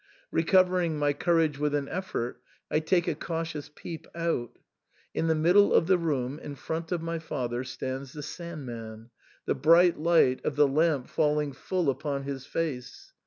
Recover ing my courage with an effort, I take a cautious peep out In the middle of the room in front of my father stands the Sand man, the bright light of the lamp fall ing full upon his face.